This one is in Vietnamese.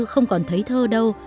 không còn thấy thơ đâu